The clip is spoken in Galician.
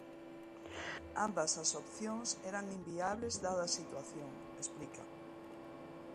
Ambas as opcións eran inviables dada a situación, explica.